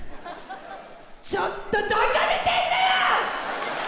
ちょっとどこ見てんのよ！